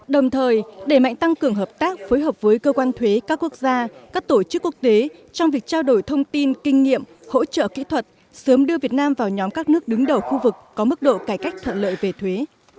đồng thời đẩy mạnh tăng cường hợp tác phối hợp với cơ quan thuế các quốc gia các tổ chức quốc tế trong việc trao đổi thông tin kinh nghiệm hỗ trợ kỹ thuật sớm đưa việt nam vào nhóm các nước đứng đầu khu vực có mức độ cải cách thuận lợi về thuế